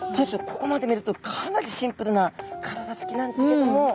ここまで見るとかなりシンプルな体つきなんですけども。